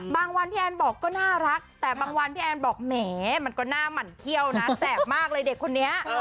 วันพี่แอนบอกก็น่ารักแต่บางวันพี่แอนบอกแหมมันก็หน้าหมั่นเขี้ยวนะแสบมากเลยเด็กคนนี้